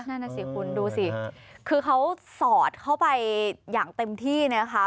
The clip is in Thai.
นั่นน่ะสิคุณดูสิคือเขาสอดเข้าไปอย่างเต็มที่นะคะ